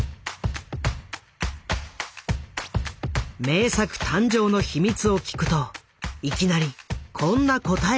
名作誕生の秘密を聞くといきなりこんな答えが返ってきた。